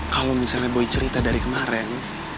kalau misalnya boleh cerita dari kemarin